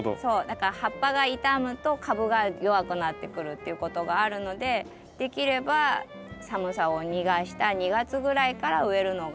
だから葉っぱが傷むと株が弱くなってくるっていうことがあるのでできれば寒さを逃がした２月ぐらいから植えるのがいいかなと思います。